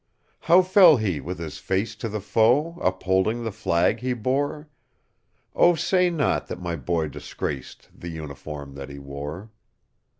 "How fell he,—with his face to the foe, Upholding the flag he bore? Oh, say not that my boy disgracedThe uniform that he wore!"